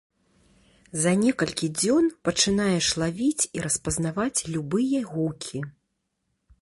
За некалькі дзён пачынаеш лавіць і распазнаваць любыя гукі.